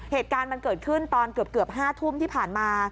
เหตุการณ์มันเกิดขึ้นตอนเกือบ๕ทุ่มที่ผ่านมา